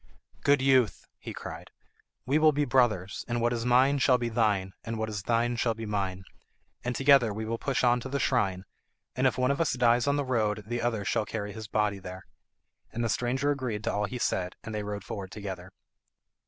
"Good youth," he cried, "we will be brothers, and what is mine shall be thine, and what is thine shall be mine. And together we will push on to the shrine, and if one of us dies on the road the other shall carry his body there." And the stranger agreed to all he said, and they rode forward together.